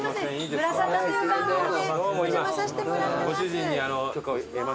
『ぶらサタ』という番組でお邪魔させてもらってます。